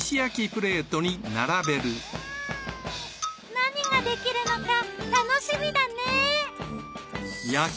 何ができるのか楽しみだね！